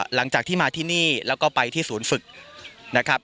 หลังจากที่มาที่นี่แล้วก็ไปที่ศูนย์ฝึกนะครับ